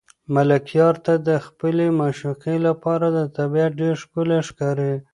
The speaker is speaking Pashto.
ملکیار ته د خپلې معشوقې لپاره طبیعت ډېر ښکلی ښکاري.